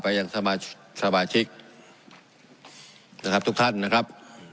ไปอย่างสมาชิกสมาชิกนะครับทุกท่านนะครับ